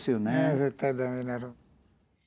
絶対駄目になる。